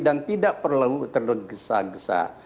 dan tidak perlu terlalu gesa gesa